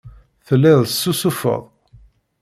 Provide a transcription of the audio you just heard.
Telliḍ tessusufeḍ.